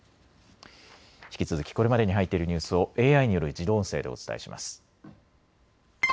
引き続きこれまでに入っているニュースをＡＩによる自動音声でお伝えします。